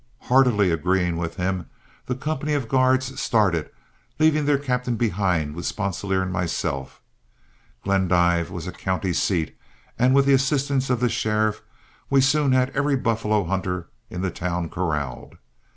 Heartily agreeing with him, the company of guards started, leaving their captain behind with Sponsilier and myself. Glendive was a county seat, and with the assistance of the sheriff, we soon had every buffalo hunter in the town corralled.